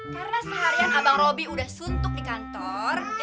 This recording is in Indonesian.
karena seharian abang robi udah suntuk di kantor